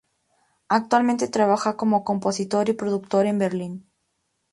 Actualmente trabaja como compositor y productor en Berlín.